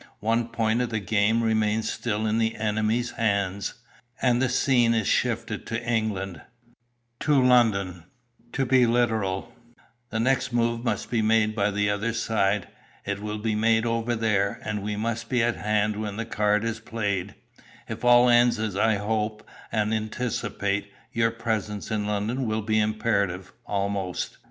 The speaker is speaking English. One point of the game remains still in the enemy's hands. And the scene is shifted to England to London, to be literal. The next move must be made by the other side. It will be made over there, and we must be at hand when the card is played. If all ends as I hope and anticipate, your presence in London will be imperative, almost.